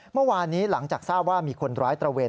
เมื่อวานนี้หลังจากทราบว่ามีคนร้ายตระเวน